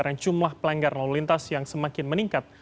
dengan jumlah pelanggar lalu lintas yang semakin meningkat